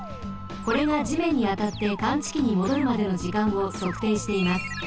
これがじめんにあたって感知器にもどるまでのじかんをそくていしています。